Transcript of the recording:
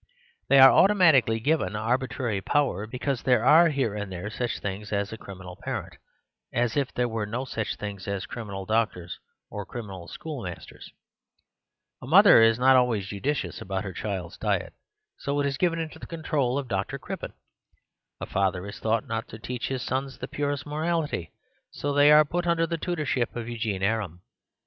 They are automatically given arbitrary power because there are here and there such things as criminal parents; as if there were no such things as criminal doctors or criminal school 76 The Superstition of Divorce masters. A mother is not always judicious about her child's diet; so it is given into the control of Dn Crippen. A father is thought not to teach his sons the purest morality; so they are put under the tutorship of Eugene Aram.